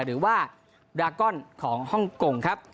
หรือว่าดากอนของฮ่องกงครับ